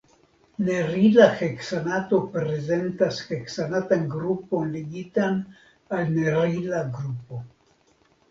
Nerila heksanato prezentas heksanatan grupon ligitan al nerila grupo.